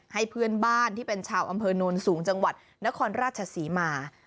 ให้เพื่อนบ้านที่เป็นชาวอำเภอโนนสูงจังหวัดนครราชศรีมา